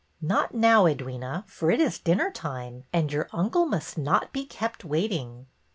'' Not now, Edwyna, for it is dinner time, and your uncle must not be kept waiting."